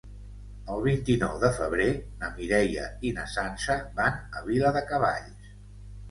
El vint-i-nou de febrer na Mireia i na Sança van a Viladecavalls.